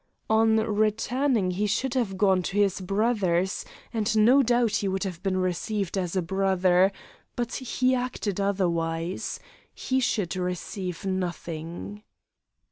On returning he should have gone to his brothers, and no doubt he would have been received as a brother, but he acted otherwise. He should receive nothing.